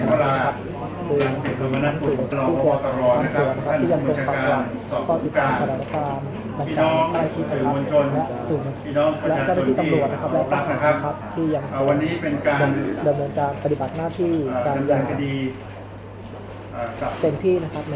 สามารถสำหรับสมมุขแห่งชาติ